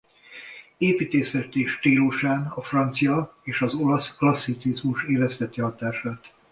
Építészeti stílusán a francia és az olasz klasszicizmus érezteti hatását.